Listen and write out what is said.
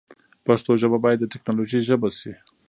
پښتو ژبه باید د تکنالوژۍ ژبه شی